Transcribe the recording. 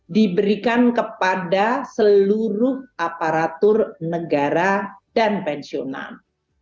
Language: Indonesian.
diberikan kepada seluruh aparatur negara dan pensiunan